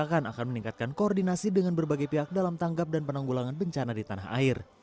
dan akan meningkatkan koordinasi dengan berbagai pihak dalam tanggap dan penanggulangan bencana di tanah air